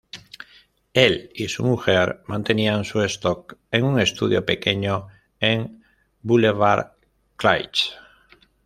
Él y su mujer mantenían su stock en un estudio pequeño en Bulevar Clichy.